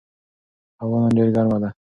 هوا نن ډېره ګرمه ده.